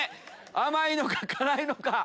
甘いのか辛いのか。